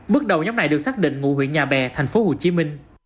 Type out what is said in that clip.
bước đầu nhắm này được xác định ngụ huyện nhà bè tp hcm